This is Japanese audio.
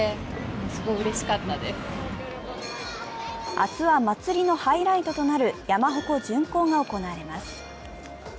明日は祭りのハイライトとなる山鉾巡行が行われます。